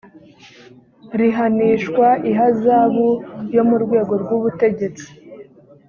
rihanishwa ihazabu yo mu rwego rw’ ubutegetsi